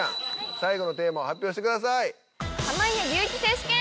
最後のテーマを発表してください。